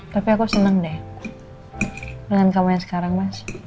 tapi aku seneng deh dengan kamu yang sekarang mas